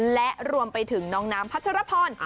และรวมไปถึงน้องน้ำพัชรพร